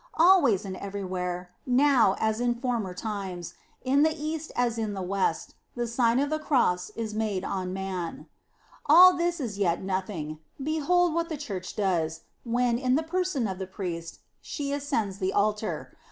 Always and everywhere, now as in former times, in the East as in the West, the Sigri of the Cross is made on man.* o All this is yet nothing. Behold what the Church does, when, in the person of the priest, she ascends the altar.